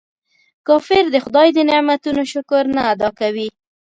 کافر د خداي د نعمتونو شکر نه ادا کوي.